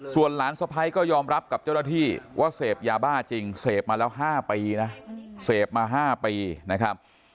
ส่วนหลานสะพ้ายก็ยอมรับกับเจ้าหน้าที่ว่าเสพยาบ้าจริงเสพมาแล้ว๕ปีนะเสพมา๕ปีนะครับ